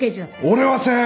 俺はせん！